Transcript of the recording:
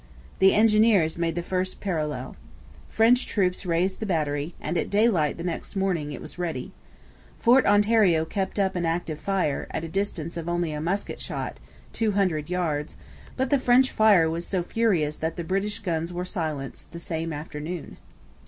The engineers made the first parallel. French troops raised the battery; and at daylight the next morning it was ready. Fort Ontario kept up an active fire, at a distance of only a musket shot, two hundred yards; but the French fire was so furious that the British guns were silenced the same afternoon.